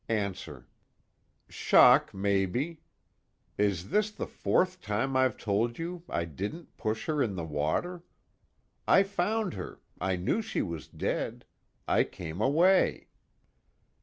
ANSWER: Shock maybe. Is this the fourth time I've told you I didn't push her in the water? I found her, I knew she was dead, I came away.